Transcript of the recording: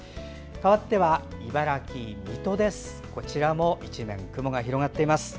かわっては茨城・水戸です。